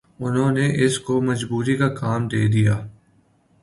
انہوں نے اس کو مخبری کا کام دے دیا